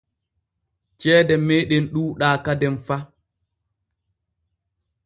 Ceede meeɗen ɗuuɗaa kaden fa.